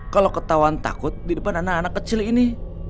kalau ketahuan takut di depan anak anak kecil ini